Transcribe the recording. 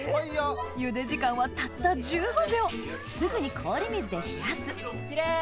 茹で時間はたった１５秒すぐに氷水で冷やすキレイ！